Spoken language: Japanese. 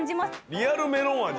リアルメロン味。